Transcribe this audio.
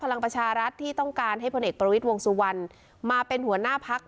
พลังประชารัฐที่ต้องการให้พลเอกประวิทย์วงสุวรรณมาเป็นหัวหน้าพัก